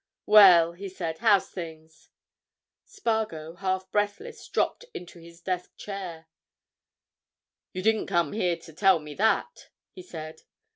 "Well," he said, "how's things?" Spargo, half breathless, dropped into his desk chair. "You didn't come here to tell me that," he said.